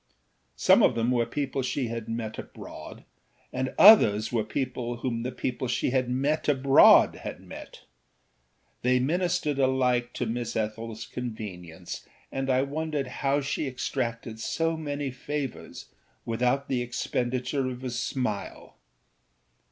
Some of them were people she had met abroad, and others were people whom the people she had met abroad had met. They ministered alike to Miss Ethelâs convenience, and I wondered how she extracted so many favours without the expenditure of a smile.